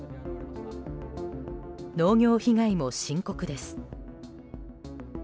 農業被害も深刻です。